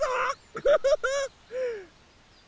ウフフフ！